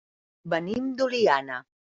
Venim d'Oliana.